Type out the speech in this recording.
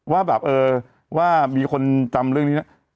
ว่าแบบเออว่ามีคนจำเรื่องนี้นะ